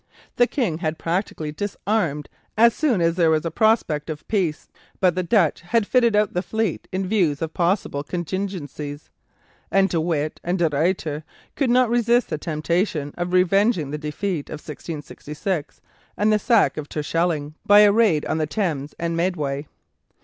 The King had practically disarmed as soon as there was a prospect of peace. But the Dutch had fitted out the fleet in view of possible contingencies, and De Witt and De Ruyter could not resist the temptation of revenging the defeat of 1666 and the sack of Terschelling by a raid on the Thames and Medway.